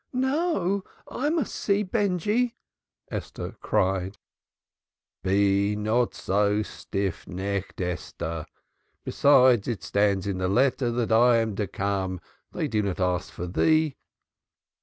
"No, I must see Benjy!" Esther cried. "Be not so stiff necked, Esther! Besides, it stands in the letter that I am to come they do not ask thee.